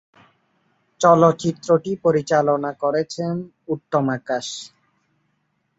চলচ্চিত্রটি পরিচালনা করেছেন উত্তম আকাশ।